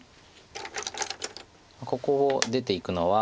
ここを出ていくのは。